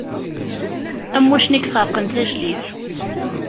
Am uccen i yefeṛqen tajlibt.